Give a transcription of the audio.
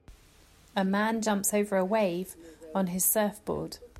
a man jumps over a wave on his surfboard.